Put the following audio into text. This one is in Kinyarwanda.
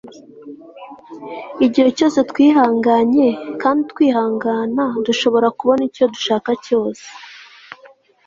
igihe cyose twihanganye kandi twihangana, dushobora kubona icyo dushaka cyose